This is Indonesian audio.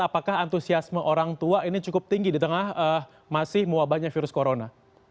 apakah antusiasme orang tua ini cukup tinggi di tengah masih mewabahnya virus corona